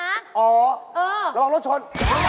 อ๋อระวังรถชน